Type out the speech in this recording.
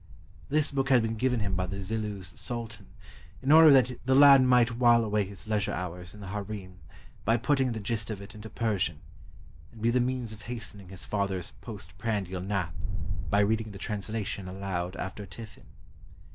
This book had been given him by the Zillu's Sultan in order that the lad might while away his leisure hours in the harem by putting the gist of it into Persian, and be the means of hastening his father's post prandial nap by reading the translation aloud after tiffin.